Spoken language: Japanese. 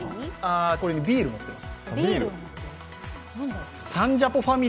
これね、ビール持ってます。